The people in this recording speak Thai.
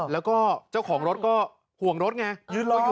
แล้วก็เจ้าของรถก็ห่วงรถไงยืนรออยู่